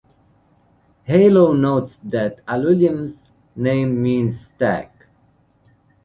Hallo notes that Alulim's name means, "Stag".